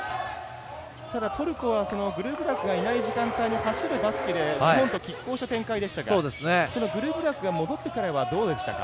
ただトルコはグルブラクがいない時間帯の走るバスケで日本と拮抗した展開でしたがグルブラクが戻ってからはどうでしたか？